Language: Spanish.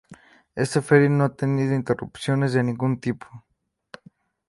Esta feria no ha tenido interrupciones de ningún tipo.